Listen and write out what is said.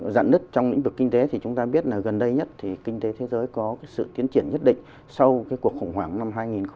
dạng nứt trong lĩnh vực kinh tế thì chúng ta biết là gần đây nhất thì kinh tế thế giới có sự tiến triển nhất định sau cuộc khủng hoảng năm hai nghìn bảy hai nghìn tám